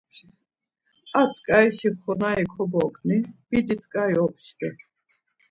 Ar tzǩarişi xonari kobogni, bidi tzǩari opşvi.